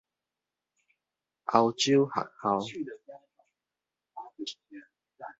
臺北歐洲學校小學部